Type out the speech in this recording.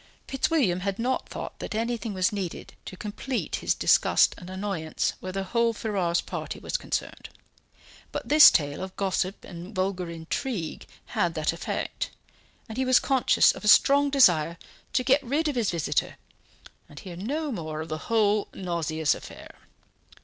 Fitzwilliam had not thought that anything was needed to complete his disgust and annoyance where the whole Ferrars party was concerned; but this tale of gossip and vulgar intrigue had that effect, and he was conscious of a strong desire to get rid of his visitor and hear no more of the whole nauseous affair.